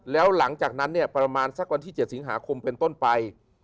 แล้วหลังจากนั้นเนี่ยประมาณสักวันที่๗สิงหาคมเป็นต้นไป